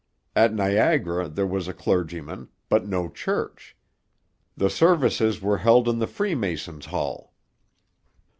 At Niagara there was a clergyman, but no church; the services were held in the Freemasons' Hall.